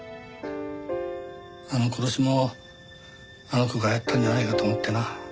あの殺しもあの子がやったんじゃないかと思ってな。